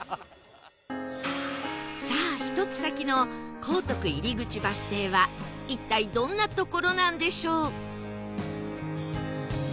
さあ１つ先の光徳入口バス停は一体どんな所なんでしょう？